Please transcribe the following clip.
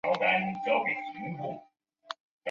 马勒维勒。